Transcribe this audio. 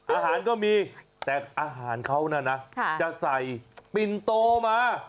อาหารก็มีแต่อาหารเขาน่ะนะจะใส่ปินโตมา